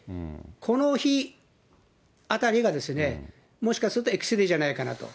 この日あたりが、もしかすると、Ｘデーじゃないかと。